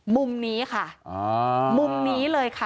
มุมนี้ค่ะมุมนี้เลยค่ะ